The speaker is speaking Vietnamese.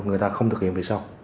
người ta không thực hiện vì sao